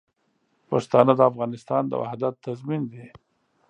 پښتانه د افغانستان د وحدت تضمین دي.